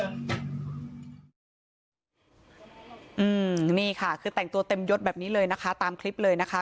อืมนี่ค่ะคือแต่งตัวเต็มยดแบบนี้เลยนะคะตามคลิปเลยนะคะ